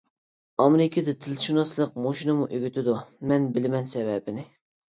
ئامېرىكىدا تىلشۇناسلىق مۇشۇنىمۇ ئۆگىتىدۇ، مەن بىلىمەن سەۋەبىنى.